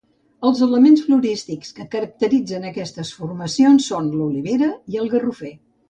Els elements florístics que caracteritzen aquestes formacions són l'olivera i el garrofer.